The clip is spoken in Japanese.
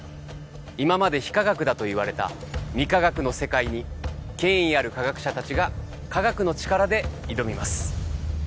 今まで非科学だと言われた未科学の世界に権威ある科学者達が科学の力で挑みます